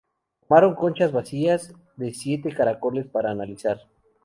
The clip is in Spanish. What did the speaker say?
Tomaron conchas vacías de siete caracoles para analizar.